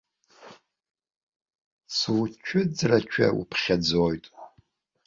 Суцәыӡрашәа уԥхьаӡоит.